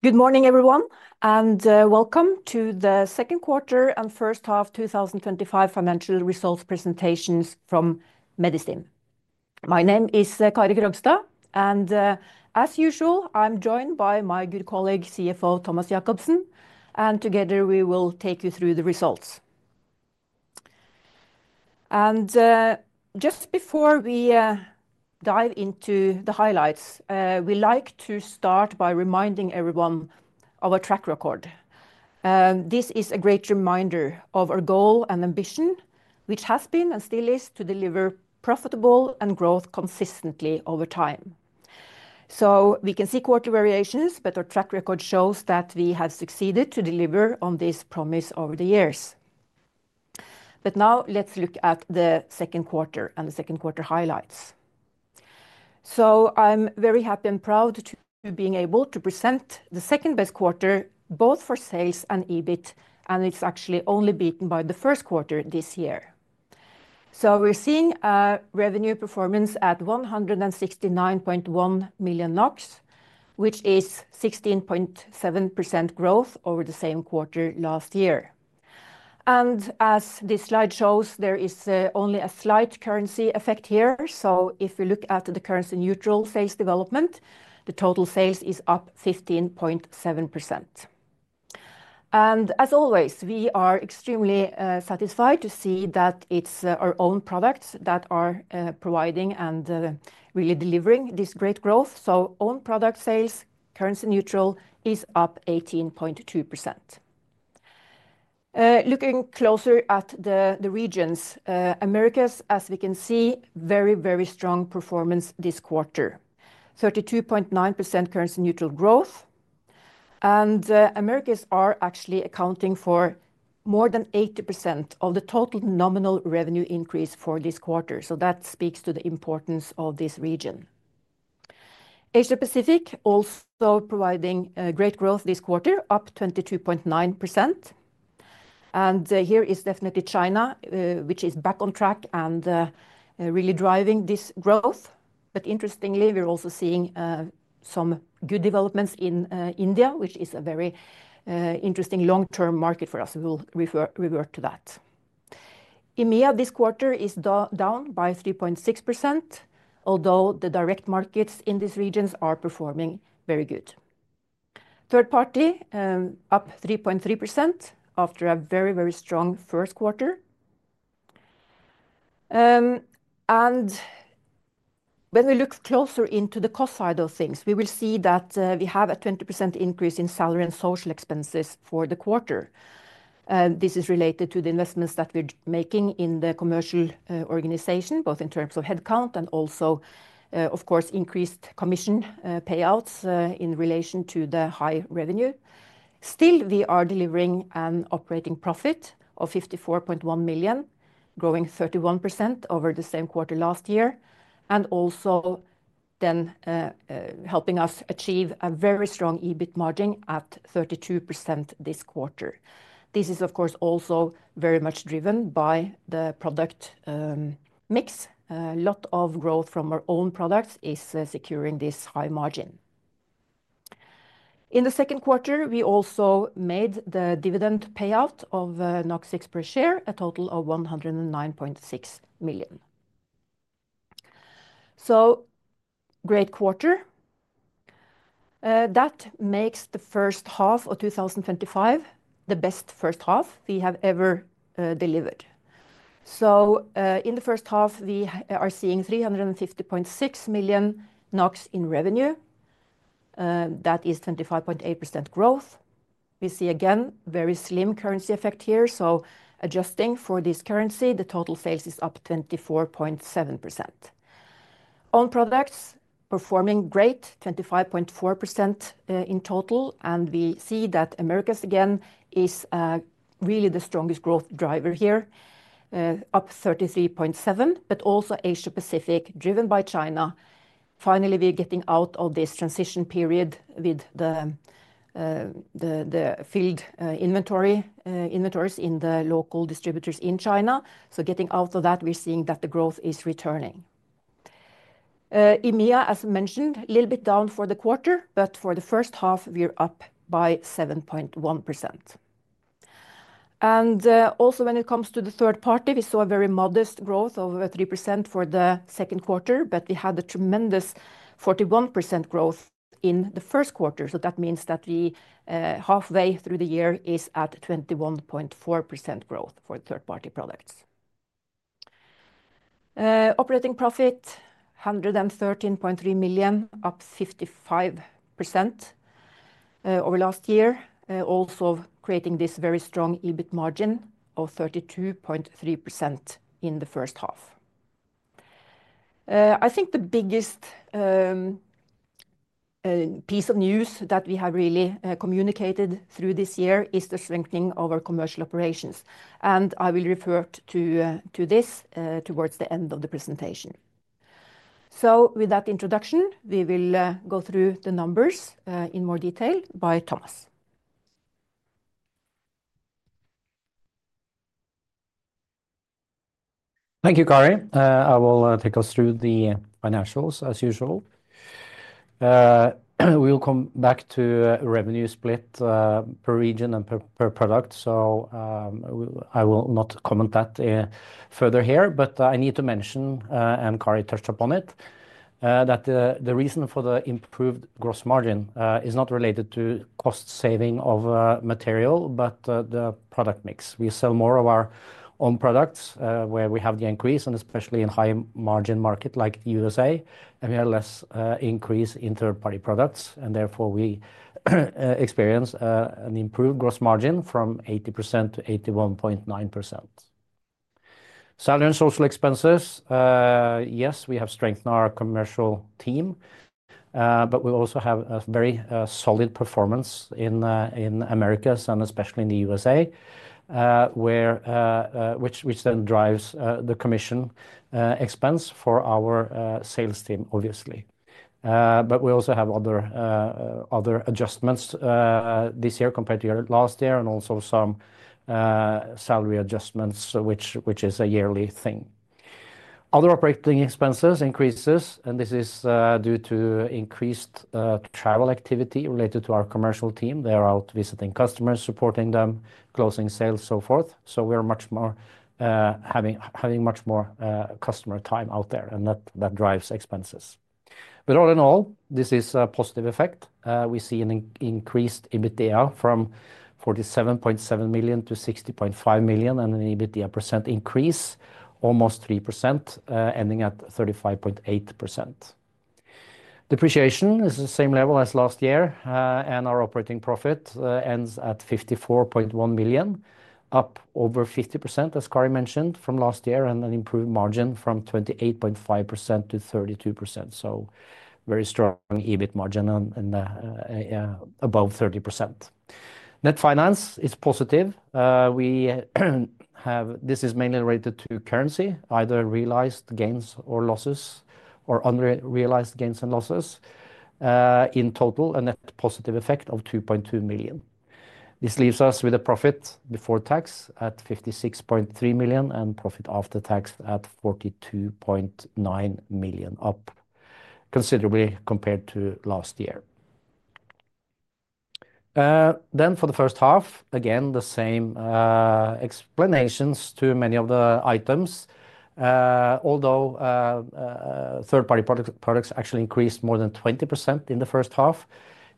Good morning, everyone, and welcome to the Second Quarter and First Half 2025 Financial Results Presentations from Medistim. My name is Kari Krogstad, and as usual, I'm joined by my good colleague, CFO Thomas Jakobsen, and together we will take you through the results. Just before we dive into the highlights, we'd like to start by reminding everyone of our track record. This is a great reminder of our goal and ambition, which has been and still is to deliver profitable growth consistently over time. We can see quarterly variations, but our track record shows that we have succeeded to deliver on this promise over the years. Now let's look at the second quarter and the second quarter highlights. I'm very happy and proud to be able to present the second best quarter, both for sales and EBIT, and it's actually only beaten by the first quarter this year. We're seeing a revenue performance at 169.1 million NOK, which is 16.7% growth over the same quarter last year. As this slide shows, there is only a slight currency effect here. If we look at the currency neutral sales development, the total sales is up 15.7%. As always, we are extremely satisfied to see that it's our own products that are providing and really delivering this great growth. Own product sales, currency neutral, is up 18.2%. Looking closer at the regions, Americas, as we can see, very, very strong performance this quarter, 32.9% currency neutral growth. Americas are actually accounting for more than 80% of the total nominal revenue increase for this quarter. That speaks to the importance of this region. Asia Pacific is also providing great growth this quarter, up 22.9%. Here is definitely China, which is back on track and really driving this growth. Interestingly, we're also seeing some good developments in India, which is a very interesting long-term market for us. We'll revert to that. EMEA this quarter is down by 3.6%, although the direct markets in these regions are performing very good. Third party is up 3.3% after a very, very strong first quarter. When we look closer into the cost side of things, we will see that we have a 20% increase in salary and social expenses for the quarter. This is related to the investments that we're making in the commercial organization, both in terms of headcount and also, of course, increased commission payouts in relation to the high revenue. Still, we are delivering an operating profit of 54.1 million, growing 31% over the same quarter last year, and also then helping us achieve a very strong EBIT margin at 32% this quarter. This is, of course, also very much driven by the product mix. A lot of growth from our own products is securing this high margin. In the second quarter, we also made the dividend payout of NOK per share, a total of 109.6 million. Great quarter. That makes the first half of 2025 the best first half we have ever delivered. In the first half, we are seeing 350.6 million NOK in revenue. That is 25.8% growth. We see again a very slim currency effect here. Adjusting for this currency, the total sales is up 24.7%. Own products are performing great, 25.4% in total. We see that Americas again is really the strongest growth driver here, up 33.7%, but also Asia Pacific, driven by China. Finally, we're getting out of this transition period with the filled inventories in the local distributors in China. Getting out of that, we're seeing that the growth is returning. EMEA, as I mentioned, a little bit down for the quarter, but for the first half, we're up by 7.1%. Also, when it comes to the third party, we saw a very modest growth of 3% for the second quarter, but we had a tremendous 41% growth in the first quarter. That means that halfway through the year is at 21.4% growth for the third-party products. Operating profit is 113.3 million, up 55% over last year, also creating this very strong EBIT margin of 32.3% in the first half. I think the biggest piece of news that we have really communicated through this year is the strengthening of our commercial operations. I will refer to this towards the end of the presentation. With that introduction, we will go through the numbers in more detail by Thomas. Thank you, Kari. I will take us through the financials, as usual. We'll come back to revenue split per region and per product. I will not comment that further here, but I need to mention, and Kari touched upon it, that the reason for the improved gross margin is not related to cost saving of material, but the product mix. We sell more of our own products where we have the increase, and especially in a high margin market like the USA, and we have less increase in third-party products. Therefore, we experience an improved gross margin from 80% to 81.9%. Salary and social expenses, yes, we have strengthened our commercial team, but we also have a very solid performance in Americas and especially in the U.S.A., which then drives the commission expense for our sales team, obviously. We also have other adjustments this year compared to last year and also some salary adjustments, which is a yearly thing. Other operating expenses increase, and this is due to increased travel activity related to our commercial team. They're out visiting customers, supporting them, closing sales, so forth. We're much more having much more customer time out there, and that drives expenses. All in all, this is a positive effect. We see an increased EBITDA from 47.7 million-60.5 million, and an EBITDA percent increase of almost 3%, ending at 35.8%. Depreciation is the same level as last year, and our operating profit ends at 54.1 million, up over 50%, as Kari mentioned, from last year, and an improved margin from 28.5%-32%. Very strong EBIT margin above 30%. Net finance is positive. This is mainly related to currency, either realized gains or losses or unrealized gains and losses. In total, a net positive effect of 2.2 million. This leaves us with a profit before tax at 56.3 million and profit after tax at 42.9 million, up considerably compared to last year. For the first half, again, the same explanations to many of the items. Although third-party products actually increased more than 20% in the first half,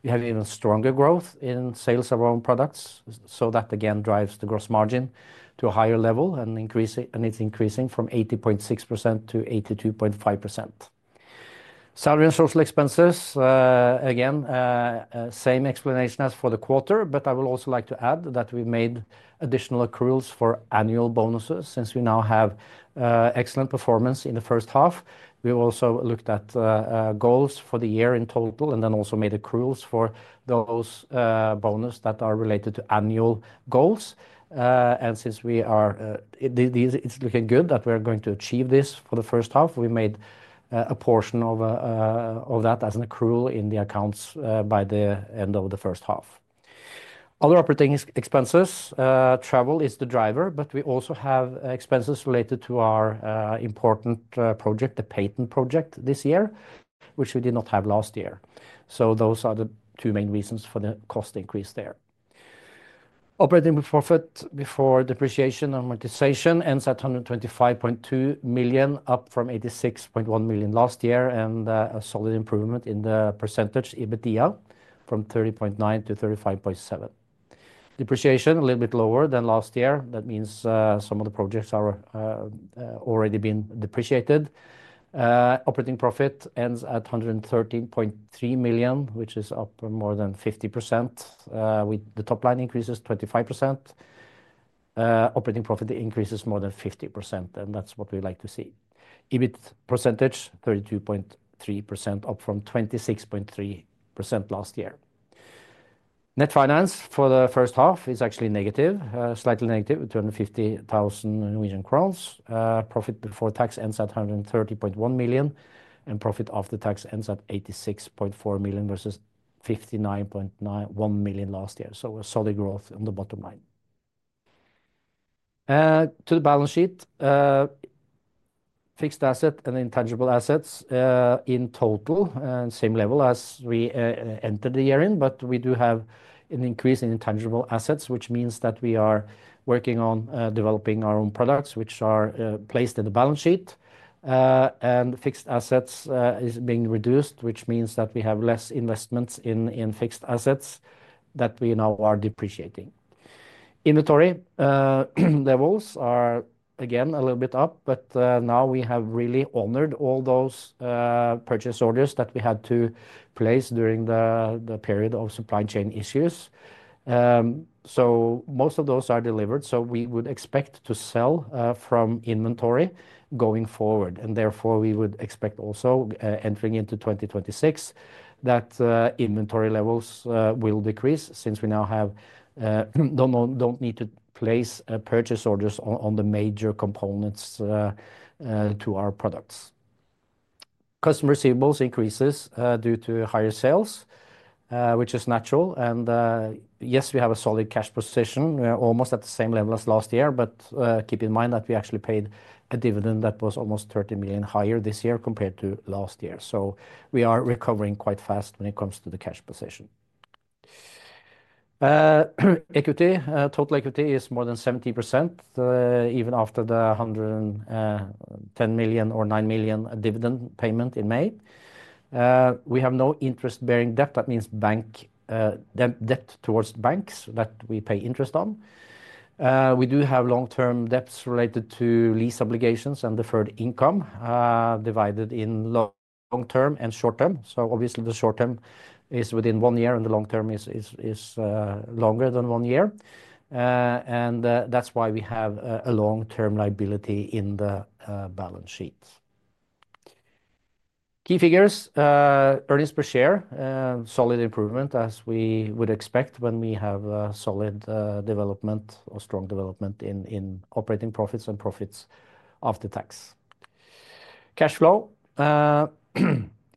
we have even stronger growth in sales of our own products. That again drives the gross margin to a higher level, and it's increasing from 80.6% to 82.5%. Salary and social expenses, again, same explanation as for the quarter, but I would also like to add that we made additional accruals for annual bonuses since we now have excellent performance in the first half. We also looked at goals for the year in total and then also made accruals for those bonuses that are related to annual goals. Since it is looking good that we're going to achieve this for the first half, we made a portion of that as an accrual in the accounts by the end of the first half. Other operating expenses, travel is the driver, but we also have expenses related to our important project, the Patent project this year, which we did not have last year. Those are the two main reasons for the cost increase there. Operating profit before depreciation and amortization ends at 125.2 million, up from 86.1 million last year, and a solid improvement in the percentage EBITDA from 30.9% to 35.7%. Depreciation is a little bit lower than last year. That means some of the projects have already been depreciated. Operating profit ends at 113.3 million, which is up more than 50%. The top line increases 25%. Operating profit increases more than 50%, and that's what we like to see. EBIT percentage is 32.3%, up from 26.3% last year. Net finance for the first half is actually negative, slightly negative, 250,000 Norwegian crowns. Profit before tax ends at 130.1 million, and profit after tax ends at 86.4 million versus 59.1 million last year. A solid growth on the bottom line. To the balance sheet, fixed assets and intangible assets in total, same level as we entered the year in, but we do have an increase in intangible assets, which means that we are working on developing our own products, which are placed in the balance sheet. Fixed assets are being reduced, which means that we have less investments in fixed assets that we now are depreciating. Inventory levels are again a little bit up, but now we have really honored all those purchase orders that we had to place during the period of supply chain issues. Most of those are delivered, so we would expect to sell from inventory going forward. Therefore, we would expect also entering into 2026 that inventory levels will decrease since we now don't need to place purchase orders on the major components to our products. Customer receivables increase due to higher sales, which is natural. We have a solid cash position, almost at the same level as last year, but keep in mind that we actually paid a dividend that was almost 30 million higher this year compared to last year. We are recovering quite fast when it comes to the cash position. Equity, total equity is more than 70%, even after the 110 million or 9 million dividend payment in May. We have no interest-bearing debt. That means bank debt towards banks that we pay interest on. We do have long-term debts related to lease obligations and deferred income divided in long-term and short-term. Obviously, the short-term is within one year, and the long-term is longer than one year. That's why we have a long-term liability in the balance sheet. Key figures, earnings per share, solid improvement as we would expect when we have a solid development or strong development in operating profits and profits after tax. Cash flow,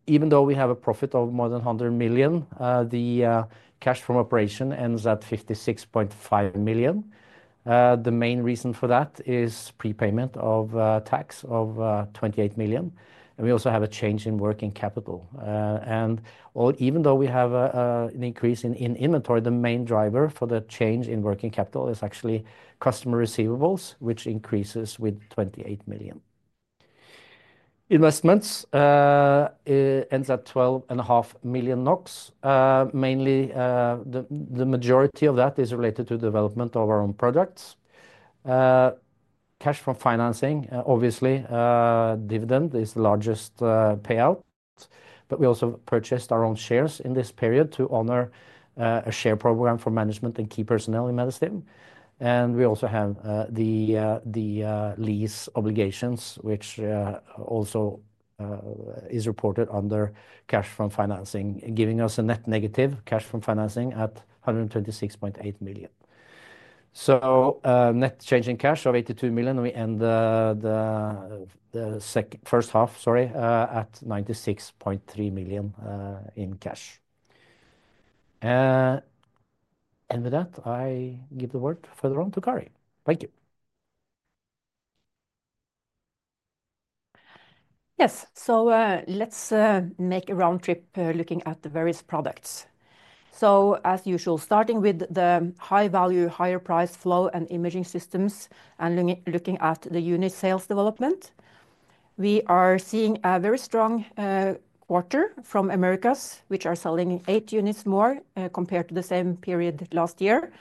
even though we have a profit of more than 100 million, the cash from operation ends at 56.5 million. The main reason for that is prepayment of tax of 28 million. We also have a change in working capital. Even though we have an increase in inventory, the main driver for the change in working capital is actually customer receivables, which increases with 28 million. Investments end at 12.5 million NOK. Mainly, the majority of that is related to the development of our own products. Cash from financing, obviously, dividend is the largest payout. We also purchased our own shares in this period to honor a share program for management and key personnel in Medistim. We also have the lease obligations, which also are reported under cash from financing, giving us a net negative cash from financing at 126.8 million. Net change in cash of 82 million, and we end the first half at 96.3 million in cash. With that, I give the word further on to Kari. Thank you. Yes, so let's make a round trip looking at the various products. As usual, starting with the high value, higher price flow and imaging systems, and looking at the unit sales development, we are seeing a very strong quarter from Americas, which are selling eight units more compared to the same period last year.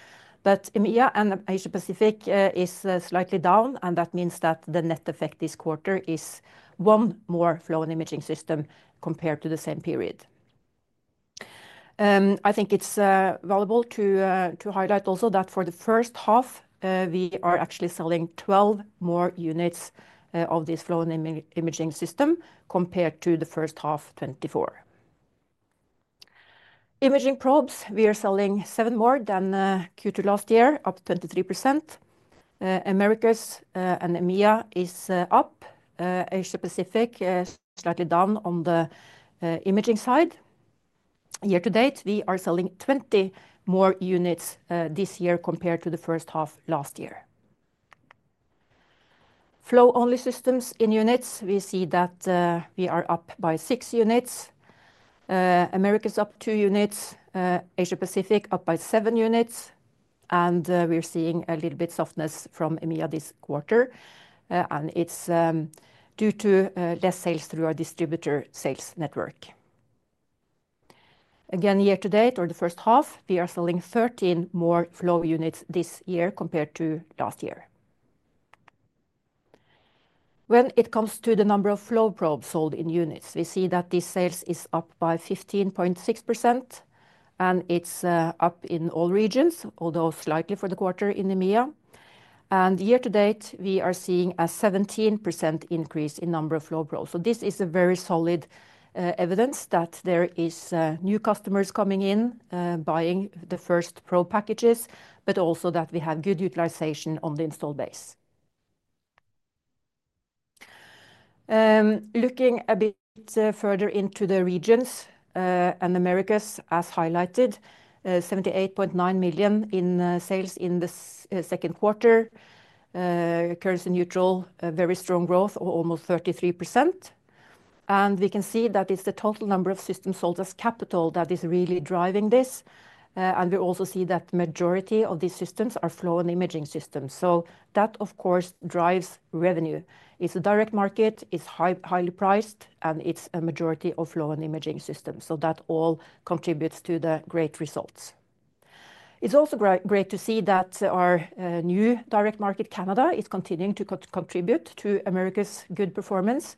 EMEA and Asia Pacific are slightly down, and that means that the net effect this quarter is one more flow and imaging system compared to the same period. I think it's valuable to highlight also that for the first half, we are actually selling 12 more units of this flow and imaging system compared to the first half 2024. Imaging probes, we are selling seven more than Q2 last year, up 23%. Americas and EMEA are up. Asia Pacific is slightly down on the imaging side. Year to date, we are selling 20 more units this year compared to the first half last year. Flow-only systems in units, we see that we are up by six units. Americas is up two units. Asia Pacific is up by seven units. We're seeing a little bit of softness from EMEA this quarter, and it's due to less sales through our distributor sales network. Year to date or the first half, we are selling 13 more flow units this year compared to last year. When it comes to the number of flow probes sold in units, we see that this sales is up by 15.6%, and it's up in all regions, although slightly for the quarter in EMEA. Year to date, we are seeing a 17% increase in the number of flow probes. This is very solid evidence that there are new customers coming in, buying the first probe packages, but also that we have good utilization on the install base. Looking a bit further into the regions and Americas, as highlighted, $78.9 million in sales in the second quarter. Currency neutral, very strong growth of almost 33%. We can see that it's the total number of systems sold as capital that is really driving this. We also see that the majority of these systems are flow and imaging systems. That, of course, drives revenue. It's a direct market, it's highly priced, and it's a majority of flow and imaging systems. That all contributes to the great results. It's also great to see that our new direct market, Canada, is continuing to contribute to Americas' good performance,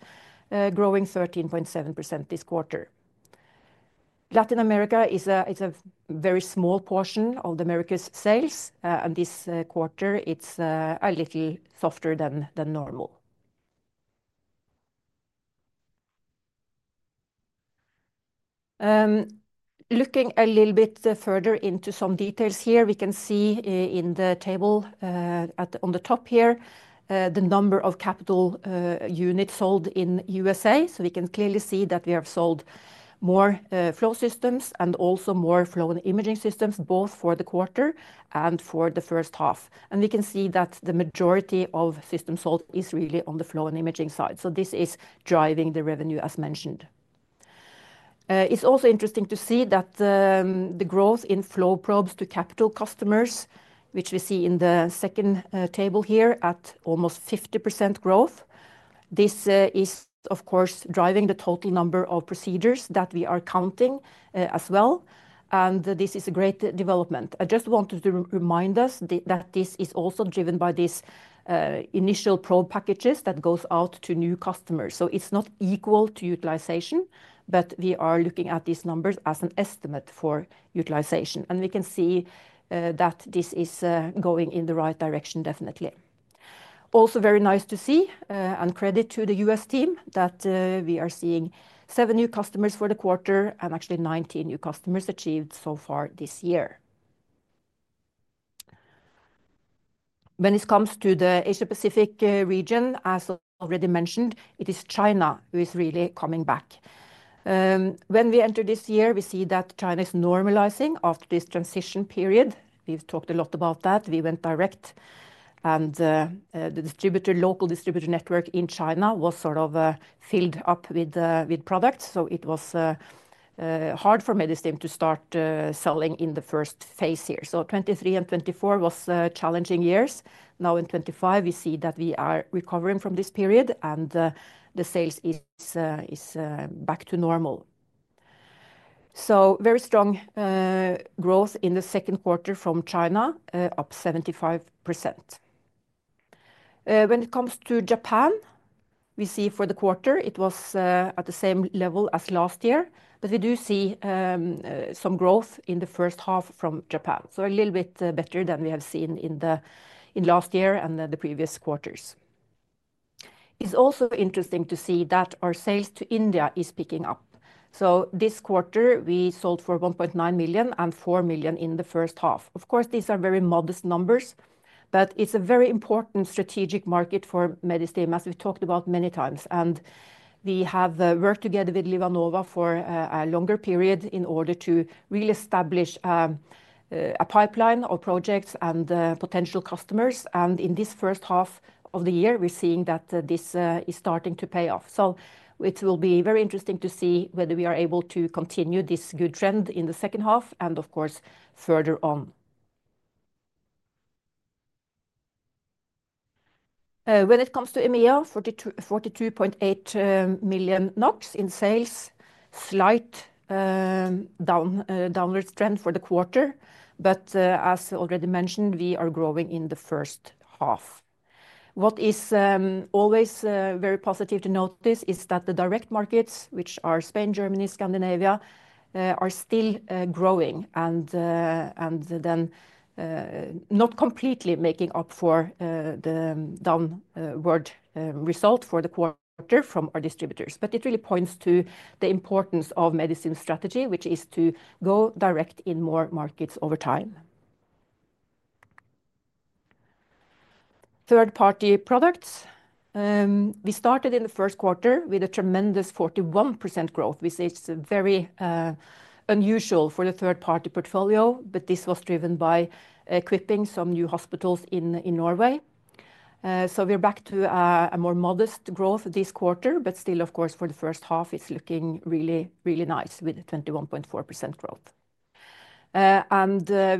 growing 13.7% this quarter. Latin America is a very small portion of Americas' sales, and this quarter, it's a little softer than normal. Looking a little bit further into some details here, we can see in the table on the top here, the number of capital units sold in the U.S.A. We can clearly see that we have sold more flow systems and also more flow and imaging systems, both for the quarter and for the first half. We can see that the majority of systems sold is really on the flow and imaging side. This is driving the revenue, as mentioned. It's also interesting to see that the growth in flow probes to capital customers, which we see in the second table here, is at almost 50% growth. This is, of course, driving the total number of procedures that we are counting as well. This is a great development. I just wanted to remind us that this is also driven by these initial probe packages that go out to new customers. It's not equal to utilization, but we are looking at these numbers as an estimate for utilization. We can see that this is going in the right direction, definitely. Also, very nice to see, and credit to the U.S. team, that we are seeing seven new customers for the quarter and actually 19 new customers achieved so far this year. When it comes to the Asia Pacific region, as already mentioned, it is China who is really coming back. When we entered this year, we see that China is normalizing after this transition period. We've talked a lot about that. We went direct, and the local distributor network in China was sort of filled up with products. It was hard for Medistim to start selling in the first phase here. 2023 and 2024 were challenging years. Now in 2025, we see that we are recovering from this period, and the sales are back to normal. Very strong growth in the second quarter from China, up 75%. When it comes to Japan, we see for the quarter, it was at the same level as last year, but we do see some growth in the first half from Japan. A little bit better than we have seen in the last year and the previous quarters. It's also interesting to see that our sales to India are picking up. This quarter, we sold for $1.9 million and $4 million in the first half. Of course, these are very modest numbers, but it's a very important strategic market for Medistim, as we've talked about many times. We have worked together with LivaNova for a longer period in order to reestablish a pipeline of projects and potential customers. In this first half of the year, we're seeing that this is starting to pay off. It will be very interesting to see whether we are able to continue this good trend in the second half and, of course, further on. When it comes to EMEA, 42.8 million NOK in sales, a slight downward trend for the quarter, but as already mentioned, we are growing in the first half. What is always very positive to note is that the direct markets, which are Spain, Germany, and Scandinavia, are still growing and not completely making up for the downward result for the quarter from our distributors. It really points to the importance of Medistim's strategy, which is to go direct in more markets over time. Third-party products, we started in the first quarter with a tremendous 41% growth. It's very unusual for the third-party portfolio, but this was driven by equipping some new hospitals in Norway. We're back to a more modest growth this quarter, but still, for the first half, it's looking really, really nice with 21.4% growth.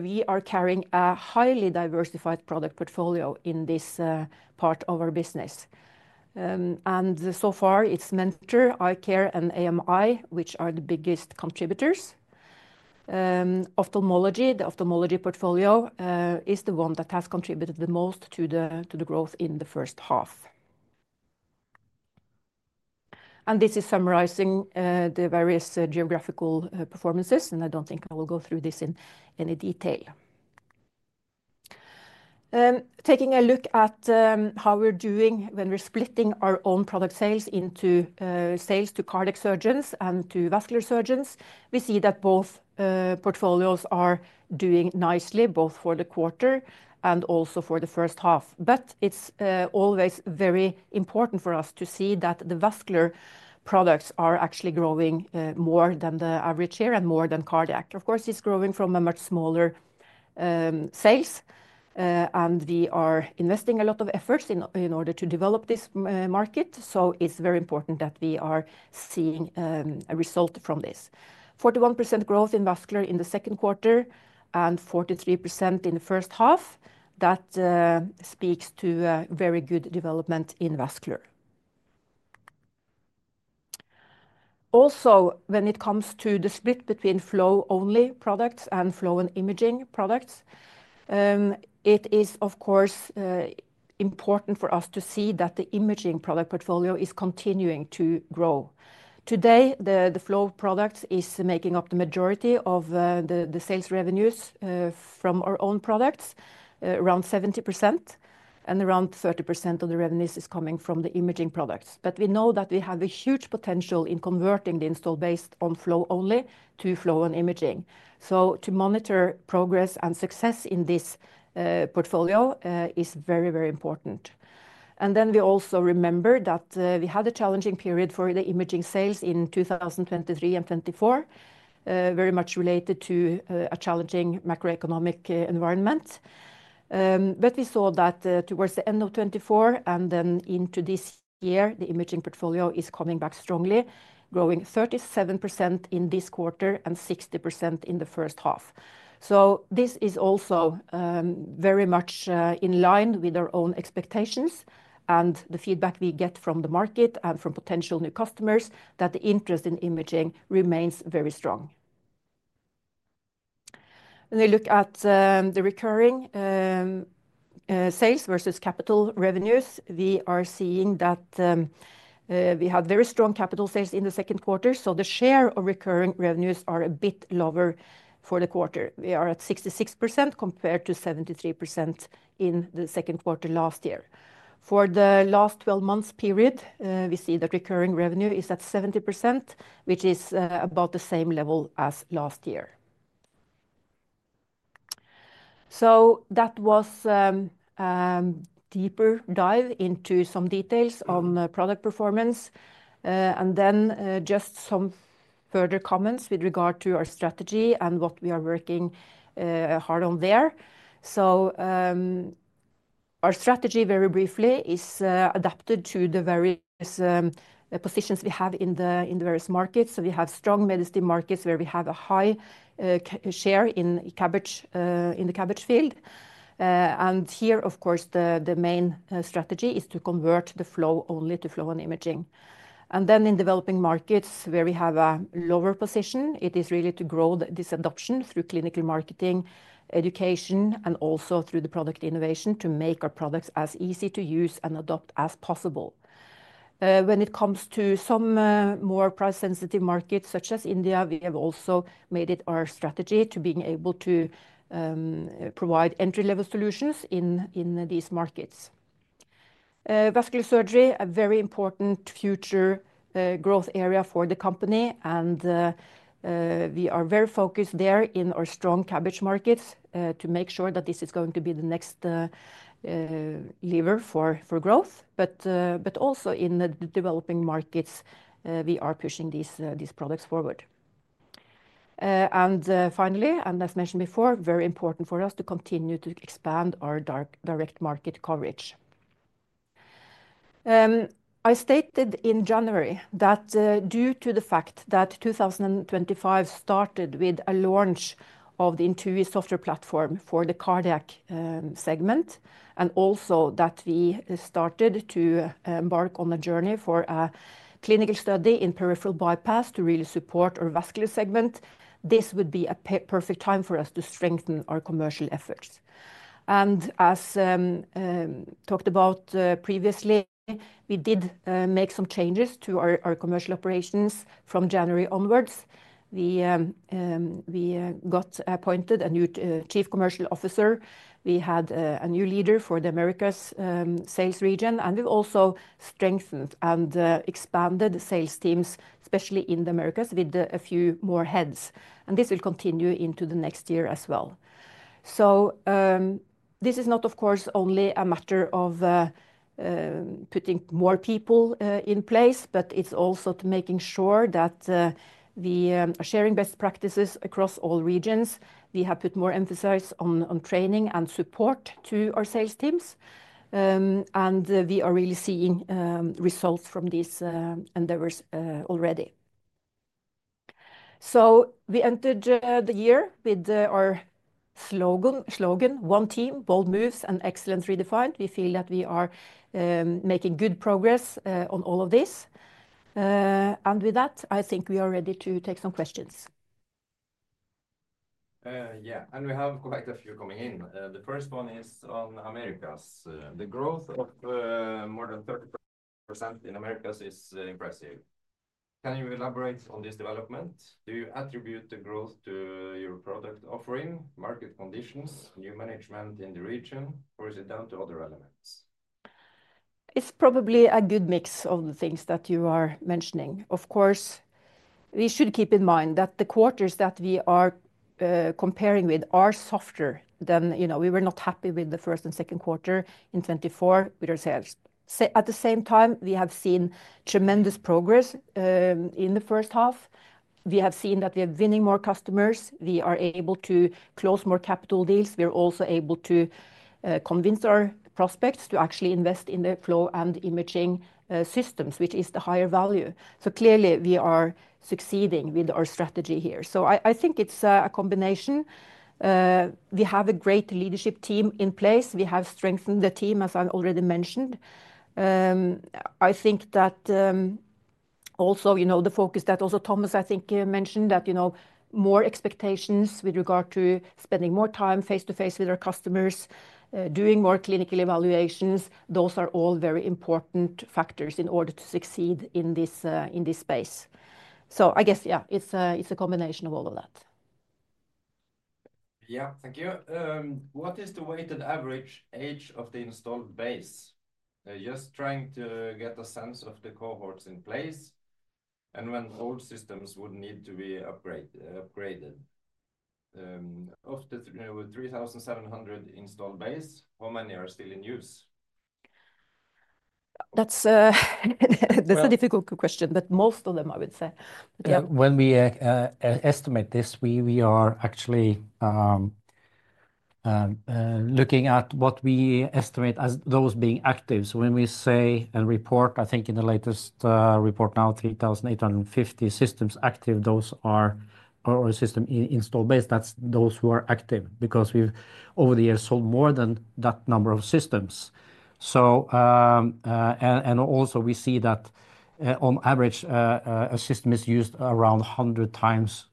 We are carrying a highly diversified product portfolio in this part of our business. So far, it's Mentor, iCare, and A.M.I., which are the biggest contributors. Ophthalmology, the ophthalmology portfolio, is the one that has contributed the most to the growth in the first half. This is summarizing the various geographical performances, and I don't think I will go through this in any detail. Taking a look at how we're doing when we're splitting our own product sales into sales to cardiac surgeons and to vascular surgeons, we see that both portfolios are doing nicely, both for the quarter and also for the first half. It's always very important for us to see that the vascular products are actually growing more than the average year and more than cardiac. Of course, it's growing from a much smaller sales, and we are investing a lot of efforts in order to develop this market. It's very important that we are seeing a result from this. 41% growth in vascular in the second quarter and 43% in the first half, that speaks to a very good development in vascular. Also, when it comes to the split between flow-only products and flow and imaging products, it is important for us to see that the imaging product portfolio is continuing to grow. Today, the flow products are making up the majority of the sales revenues from our own products, around 70%, and around 30% of the revenues are coming from the imaging products. We know that we have a huge potential in converting the install base on flow only to flow and imaging. To monitor progress and success in this portfolio is very, very important. We also remember that we had a challenging period for the imaging sales in 2023 and 2024, very much related to a challenging macroeconomic environment. We saw that towards the end of 2024 and then into this year, the imaging portfolio is coming back strongly, growing 37% in this quarter and 60% in the first half. This is also very much in line with our own expectations and the feedback we get from the market and from potential new customers that the interest in imaging remains very strong. When we look at the recurring sales versus capital revenues, we are seeing that we had very strong capital sales in the second quarter. The share of recurring revenues is a bit lower for the quarter. We are at 66% compared to 73% in the second quarter last year. For the last 12 months period, we see that recurring revenue is at 70%, which is about the same level as last year. That was a deeper dive into some details on product performance. Just some further comments with regard to our strategy and what we are working hard on there. Our strategy, very briefly, is adapted to the various positions we have in the various markets. We have strong Medistim markets where we have a high share in the CABG field. Here, of course, the main strategy is to convert the flow only to flow and imaging. In developing markets where we have a lower position, it is really to grow this adoption through clinical marketing, education, and also through the product innovation to make our products as easy to use and adopt as possible. When it comes to some more price-sensitive markets, such as India, we have also made it our strategy to be able to provide entry-level solutions in these markets. Vascular surgery is a very important future growth area for the company, and we are very focused there in our strong CABG markets to make sure that this is going to be the next lever for growth. In the developing markets, we are pushing these products forward. Finally, and I've mentioned before, it is very important for us to continue to expand our direct market coverage. I stated in January that due to the fact that 2025 started with a launch of the INTUI software platform for the cardiac segment, and also that we started to embark on a journey for a clinical study in peripheral bypass to really support our vascular segment, this would be a perfect time for us to strengthen our commercial efforts. As talked about previously, we did make some changes to our commercial operations from January onwards. We got appointed a new chief commercial officer. We had a new leader for the Americas sales region, and we've also strengthened and expanded the sales teams, especially in the Americas, with a few more heads. This will continue into the next year as well. This is not, of course, only a matter of putting more people in place, but it's also making sure that we are sharing best practices across all regions. We have put more emphasis on training and support to our sales teams, and we are really seeing results from these endeavors already. We entered the year with our slogan, "One team, bold moves, and excellence redefined." We feel that we are making good progress on all of this. With that, I think we are ready to take some questions. Yeah, we have quite a few coming in. The first one is on Americas. The growth of more than 30% in Americas is impressive. Can you elaborate on this development? Do you attribute the growth to your product offering, market conditions, new management in the region, or is it down to other elements? It's probably a good mix of the things that you are mentioning. Of course, we should keep in mind that the quarters that we are comparing with are softer, and we were not happy with the first and second quarter in 2024 with our sales. At the same time, we have seen tremendous progress in the first half. We have seen that we are winning more customers. We are able to close more capital deals. We are also able to convince our prospects to actually invest in the flow and imaging systems, which is the higher value. Clearly, we are succeeding with our strategy here. I think it's a combination. We have a great leadership team in place. We have strengthened the team, as I already mentioned. I think that also, you know, the focus that also Thomas, I think, mentioned, that, you know, more expectations with regard to spending more time face-to-face with our customers, doing more clinical evaluations, those are all very important factors in order to succeed in this space. I guess, yeah, it's a combination of all of that. Thank you. What is the weighted average age of the installed base? Just trying to get a sense of the cohorts in place and when old systems would need to be upgraded. Of the 3,700 installed base, how many are still in use? That's a difficult question, but most of them, I would say. When we estimate this, we are actually looking at what we estimate as those being active. When we say and report, I think in the latest report now, 3,850 systems active, those are our system install base. That's those who are active because we've, over the years, sold more than that number of systems. We see that on average, a system is used around 100x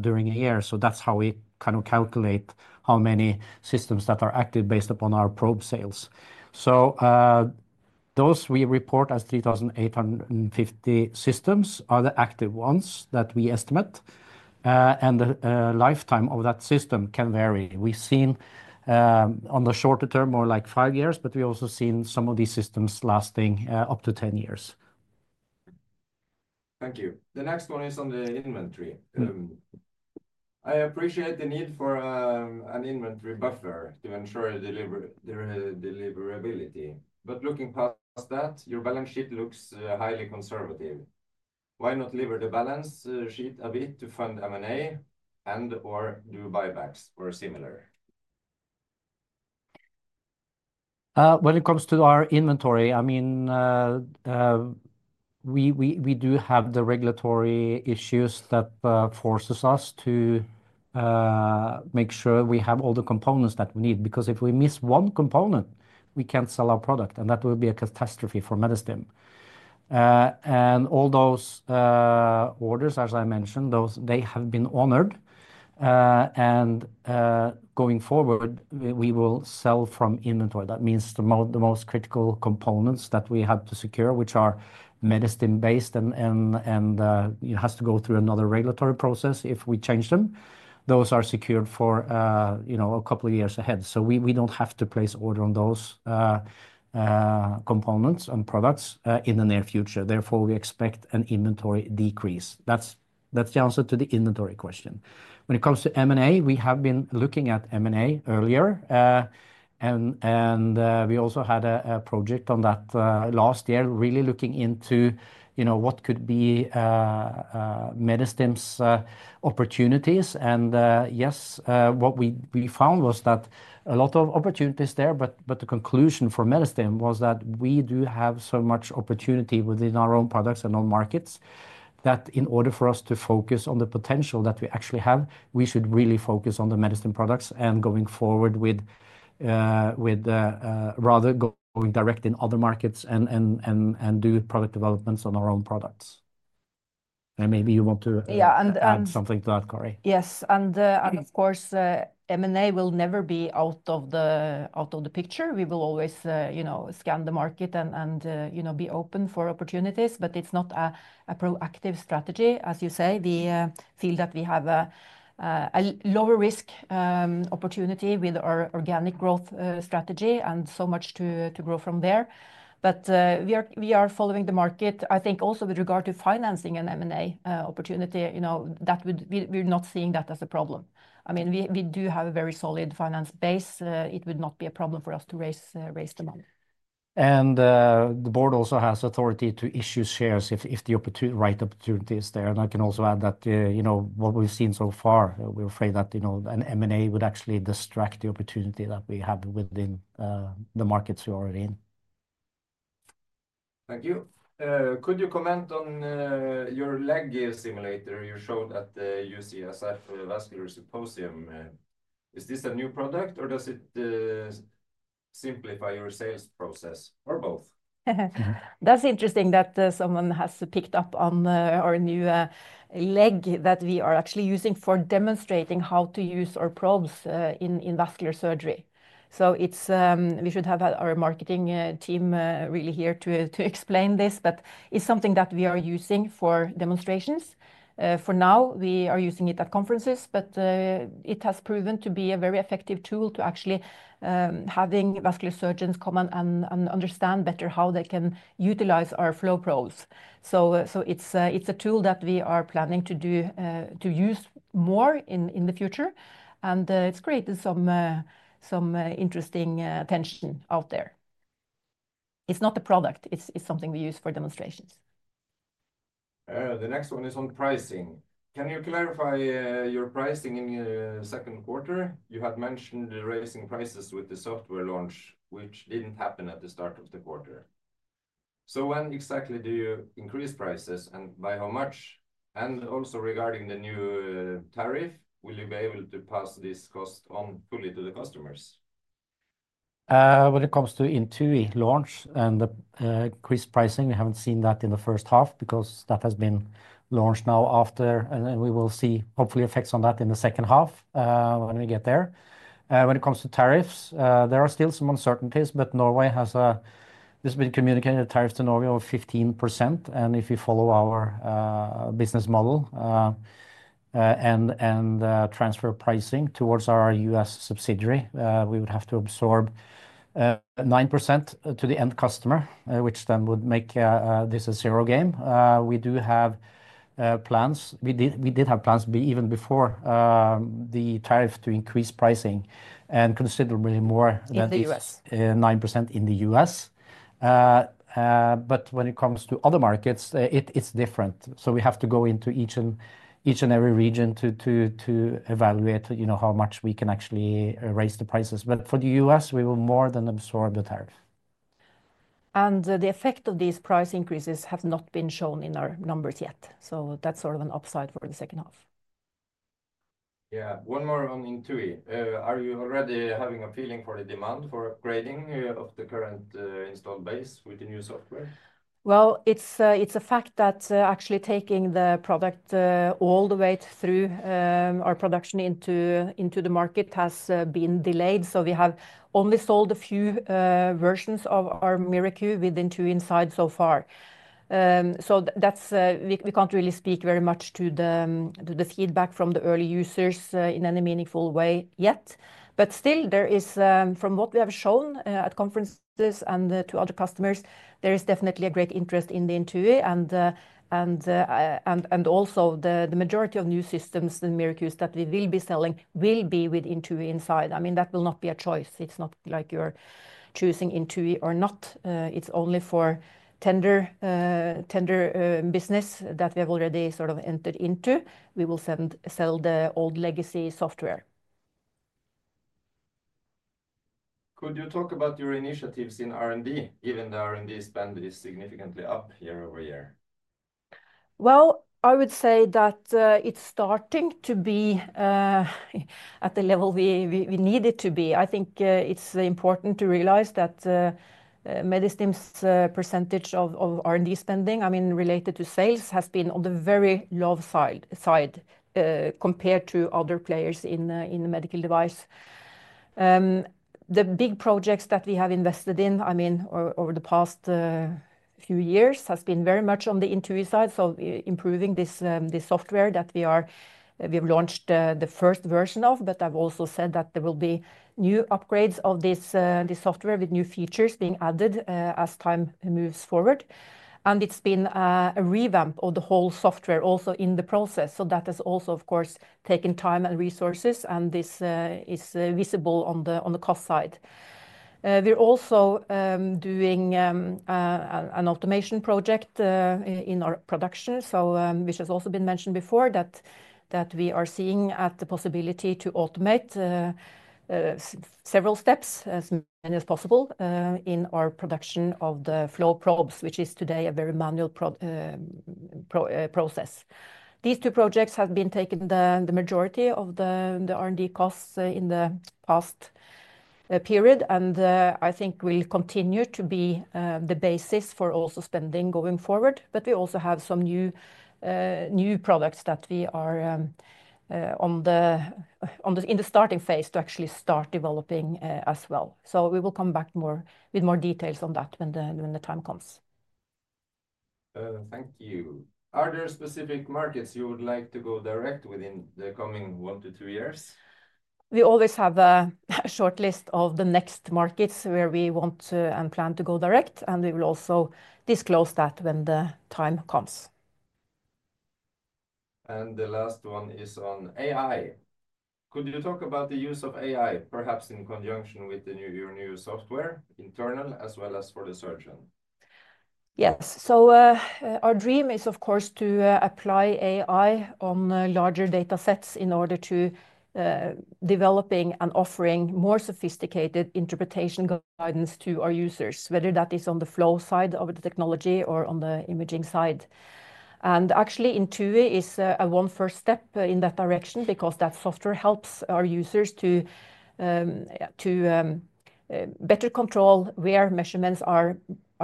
during a year. That's how we kind of calculate how many systems that are active based upon our probe sales. Those we report as 3,850 systems are the active ones that we estimate. The lifetime of that system can vary. We've seen on the shorter term, more like five years, but we've also seen some of these systems lasting up to 10 years. Thank you. The next one is on the inventory. I appreciate the need for an inventory buffer to ensure deliverability. Looking past that, your balance sheet looks highly conservative. Why not lever the balance sheet a bit to fund M&A and/or do buybacks or similar? When it comes to our inventory, we do have the regulatory issues that force us to make sure we have all the components that we need because if we miss one component, we can't sell our product, and that would be a catastrophe for Medistim. All those orders, as I mentioned, have been honored. Going forward, we will sell from inventory. That means the most critical components that we have to secure, which are Medistim-based and have to go through another regulatory process if we change them, are secured for a couple of years ahead. We don't have to place orders on those components and products in the near future. Therefore, we expect an inventory decrease. That's the answer to the inventory question. When it comes to M&A, we have been looking at M&A earlier. We also had a project on that last year, really looking into what could be Medistim's opportunities. What we found was that a lot of opportunities there, but the conclusion for Medistim was that we do have so much opportunity within our own products and on markets that in order for us to focus on the potential that we actually have, we should really focus on the Medistim products and going forward with rather going direct in other markets and do product developments on our own products. Maybe you want to add something to that, Kari. Yes, and of course, M&A will never be out of the picture. We will always scan the market and be open for opportunities, but it's not a proactive strategy, as you say. We feel that we have a lower risk opportunity with our organic growth strategy and so much to grow from there. We are following the market. I think also with regard to financing an M&A opportunity, you know, we're not seeing that as a problem. I mean, we do have a very solid finance base. It would not be a problem for us to raise the money. The board also has authority to issue shares if the right opportunity is there. I can also add that what we've seen so far, we're afraid that an M&A would actually distract the opportunity that we have within the markets we are already in. Thank you. Could you comment on your leg simulator? You showed that at a vascular symposium. Is this a new product or does it simplify your sales process or both? That's interesting that someone has picked up on our new leg that we are actually using for demonstrating how to use our probes in vascular surgery. We should have our marketing team really here to explain this, but it's something that we are using for demonstrations. For now, we are using it at conferences, but it has proven to be a very effective tool to actually have vascular surgeons come and understand better how they can utilize our flow probes. It's a tool that we are planning to use more in the future. It's created some interesting attention out there. It's not a product. It's something we use for demonstrations. The next one is on pricing. Can you clarify your pricing in the second quarter? You had mentioned raising prices with the software launch, which didn't happen at the start of the quarter. When exactly do you increase prices and by how much? Also, regarding the new tariff, will you be able to pass this cost on fully to the customers? When it comes to INTUI launch and the increased pricing, we haven't seen that in the first half because that has been launched now after. We will see hopefully effects on that in the second half when we get there. When it comes to tariffs, there are still some uncertainties, but Norway has, this has been communicated, tariffs to Norway of 15%. If we follow our business model and transfer pricing towards our U.S. subsidiary, we would have to absorb 9% to the end customer, which then would make this a zero game. We do have plans. We did have plans even before the tariff to increase pricing and considerably more than 9% in the U.S. When it comes to other markets, it's different. We have to go into each and every region to evaluate how much we can actually raise the prices. For the U.S., we will more than absorb the tariff. The effect of these price increases has not been shown in our numbers yet. That is sort of an upside for the second half. Yeah, one more on INTUI. Are you already having a feeling for the demand for upgrading of the current install base with the new software? It is a fact that actually taking the product all the way through our production into the market has been delayed. We have only sold a few versions of our MiraQ with INTUI inside so far. We can't really speak very much to the feedback from the early users in any meaningful way yet. Still, from what we have shown at conferences and to other customers, there is definitely a great interest in the INTUI. Also, the majority of new systems and MiraQ that we will be selling will be with INTUIinside. That will not be a choice. It's not like you're choosing INTUI or not. It is only for tender business that we have already sort of entered into that we will sell the old legacy software. Could you talk about your initiatives in R&D, given the R&D spend is significantly up year-over-year? I would say that it's starting to be at the level we need it to be. I think it's very important to realize that Medistim's percentage of R&D spending, related to sales, has been on the very low side compared to other players in the medical device industry. The big projects that we have invested in over the past few years have been very much on the INTUI side, improving this software that we have launched the first version of. I've also said that there will be new upgrades of this software with new features being added as time moves forward. It's been a revamp of the whole software also in the process. That has also, of course, taken time and resources, and this is visible on the cost side. We're also doing an automation project in our production, which has also been mentioned before. We are seeing the possibility to automate several steps, as many as possible, in our production of the flow probes, which is today a very manual process. These two projects have been taking the majority of the R&D costs in the past period and I think will continue to be the basis for spending going forward. We also have some new products that we are in the starting phase to actually start developing as well. We will come back with more details on that when the time comes. Thank you. Are there specific markets you would like to go direct within the coming one to two years? We always have a shortlist of the next markets where we want to and plan to go direct, and we will also disclose that when the time comes. Could you talk about the use of AI, perhaps in conjunction with your new software, internal as well as for the surgeon? Yes, so our dream is, of course, to apply AI on larger data sets in order to develop and offer more sophisticated interpretation guidance to our users, whether that is on the flow side of the technology or on the imaging side. Actually, INTUI is one first step in that direction because that software helps our users to better control where measurements are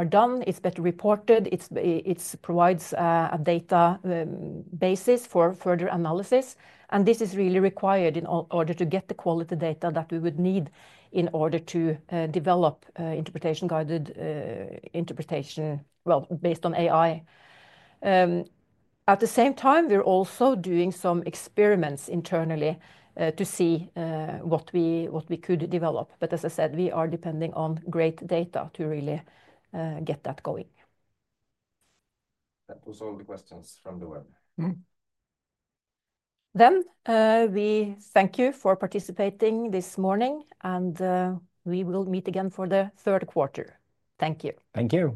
done. It's better reported. It provides a data basis for further analysis. This is really required in order to get the quality data that we would need in order to develop interpretation guided interpretation, well, based on AI. At the same time, we're also doing some experiments internally to see what we could develop. As I said, we are depending on great data to really get that going. That was all the questions from the web. Thank you for participating this morning, and we will meet again for the third quarter. Thank you. Thank you.